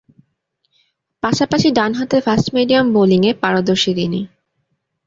পাশাপাশি ডানহাতে ফাস্ট-মিডিয়াম বোলিংয়ে পারদর্শী তিনি।